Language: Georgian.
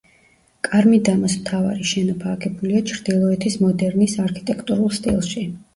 კარ-მიდამოს მთავარი შენობა აგებულია ჩრდილოეთის მოდერნის არქიტექტურულ სტილში.